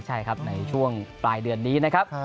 ใช่ครับในช่วงปลายเดือนนี้นะครับ